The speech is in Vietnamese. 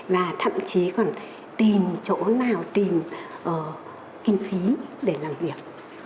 và thậm chí còn tìm chỗ nào tìm kinh phí để làm việc